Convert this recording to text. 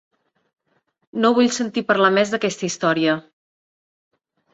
No vull sentir parlar més d'aquesta història.